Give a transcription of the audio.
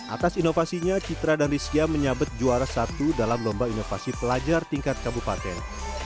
atas inovasinya citra dan rizkia menyabet juara satu dalam lomba inovasi pelajar tingkat kabupaten